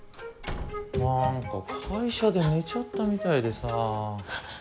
なんか会社で寝ちゃったみたいでさ。